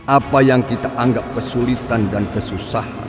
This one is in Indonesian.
apa yang kita anggap kesulitan dan kesusahan